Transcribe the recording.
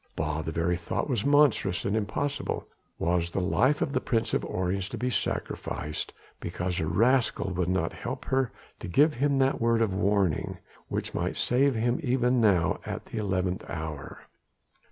Bah! the very thought was monstrous and impossible. Was the life of the Prince of Orange to be sacrificed because a rascal would not help her to give him that word of warning which might save him even now at the eleventh hour?